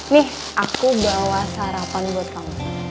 nih aku bawa sarapan buat kamu